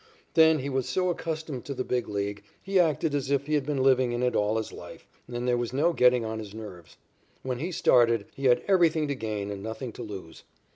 Then he was so accustomed to the Big League he acted as if he had been living in it all his life, and there was no getting on his nerves. When he started, he had everything to gain and nothing to lose.